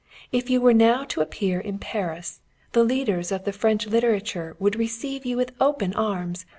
If you were now to appear in Paris, the leaders of the French literature would receive you with open arms.